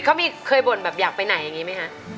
เขาเคยบ่นแบบอยากไปไหนอย่างนี้ไหมคะ